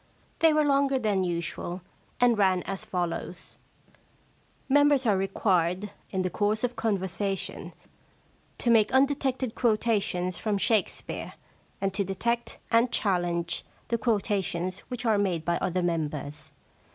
They were longer than usual, and ran as follows :—* Members are required, in the course of conversation, to make undetected quotations from Shakespeare, and to detect and chal lenge the quotations which are made by other members.